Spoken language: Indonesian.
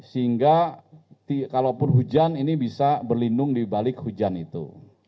sehingga kalaupun hujan ini bisa berlindung dibalik hujan itu